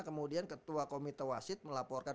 kemudian ketua komite wasit melaporkan